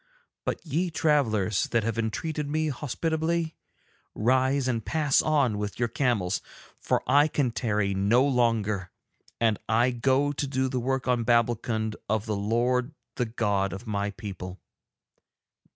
But ye travellers that have entreated me hospitably, rise and pass on with your camels, for I can tarry no longer, and I go to do the work on Babbulkund of the Lord the God of my people.